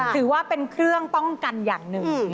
ถือว่าเป็นเครื่องป้องกันอย่างหนึ่ง